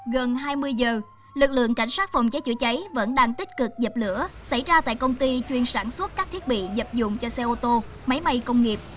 gần hai mươi giờ lực lượng cảnh sát phòng cháy chữa cháy vẫn đang tích cực dập lửa xảy ra tại công ty chuyên sản xuất các thiết bị dập dụng cho xe ô tô máy bay công nghiệp